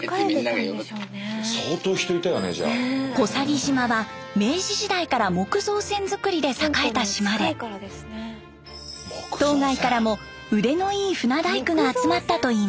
小佐木島は明治時代から木造船造りで栄えた島で島外からも腕のいい船大工が集まったといいます。